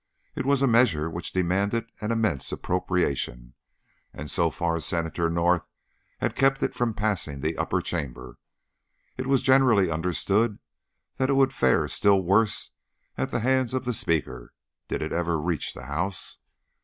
It was a measure which demanded an immense appropriation, and so far Senator North had kept it from passing the upper chamber; it was generally understood that it would fare still worse at the hands of the Speaker, did it ever reach the House.